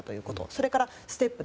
それからステップ。